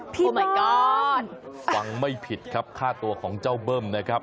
ใหม่ก่อนฟังไม่ผิดครับค่าตัวของเจ้าเบิ้มนะครับ